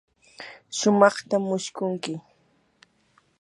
sumaqtam mushkunki.